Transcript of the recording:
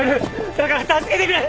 だから助けてくれ！